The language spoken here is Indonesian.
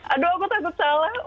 aduh aku tak kesalah